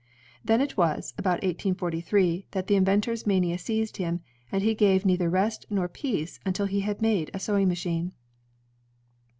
Then it was, about 1843, that the inventor's mania seized him, and gave him neither rest nor peace until he had made a sewing machine.